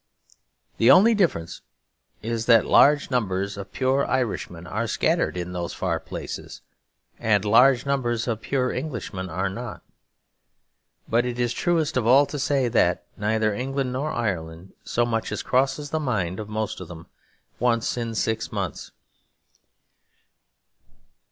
The only difference is that large numbers of pure Irishmen are scattered in those far places, and large numbers of pure Englishmen are not. But it is truest of all to say that neither England nor Ireland so much as crosses the mind of most of them once in six months.